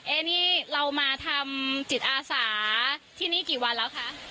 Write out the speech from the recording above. นี่เรามาทำจิตอาสาที่นี่กี่วันแล้วคะ